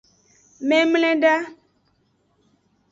Memleda.